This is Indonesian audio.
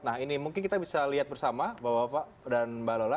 nah ini mungkin kita bisa lihat bersama bapak dan mbak lola